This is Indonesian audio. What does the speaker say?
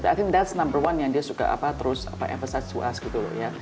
i think that's number one yang dia suka terus emphasize to us gitu loh ya